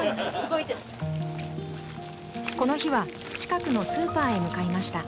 この日は近くのスーパーへ向かいました。